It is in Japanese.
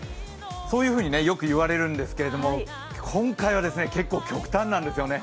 そういうふうによく言われるんですけれども、今回は結構極端なんですよね。